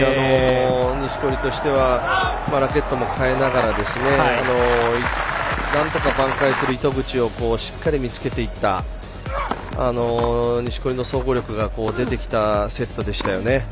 錦織としてはラケットも変えながらなんとか挽回する糸口をしっかり見つけていった錦織の総合力が出てきたセットでしたよね。